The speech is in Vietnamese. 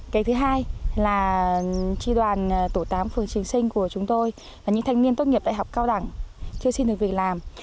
cái thứ hai là tri đoàn tổ tám phường trường sinh của chúng tôi là những thanh niên tốt nghiệp đại học cao đẳng chưa xin được việc làm